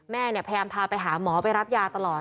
แม่เนี่ยพยายามพาไปหาหมอไปรับยาตลอด